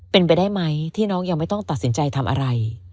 เป็นไปได้ไหมที่น้องยังไม่ต้องตัดสินใจทำอะไร